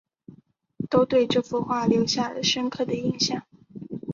都对这幅画留下了深刻的印象